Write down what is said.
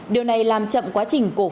điều này làm chậm quá trình cổ tế